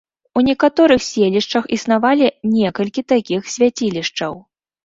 У некаторых селішчах існавалі некалькі такіх свяцілішчаў.